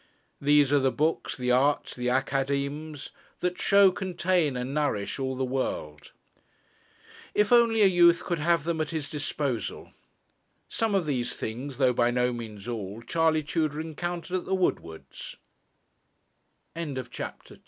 These are the books, the arts, the academes That show, contain, and nourish all the world, if only a youth could have them at his disposal. Some of these things, though by no means all, Charley Tudor encountered at the Woodwards. CHAPTER III THE WOODWARDS It is very difficult nowadays to